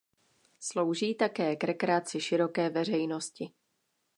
Slouží také k rekreaci široké veřejnosti.